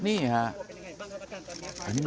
อันนี้มันยังไงครับอาจารย์ตอนนี้ครับ